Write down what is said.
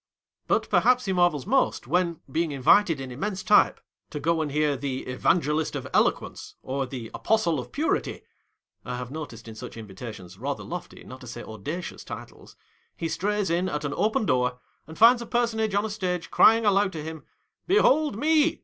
But, perhaps he marvels most, when, being invited in immense type, to go and hear the Evangelist of Eloquence, or the Apostle of Purity (1 have noticed in such invitations, rather lofty, not to say audacious titles), he strays «in at an open door, and finds a per sonage on a stage, crying aloud to him, " llehold me